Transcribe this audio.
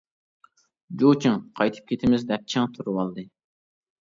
جۇ، چىڭ: «قايتىپ كېتىمىز» دەپ چىڭ تۇرۇۋالدى.